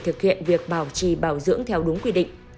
thực hiện việc bảo trì bảo dưỡng theo đúng quy định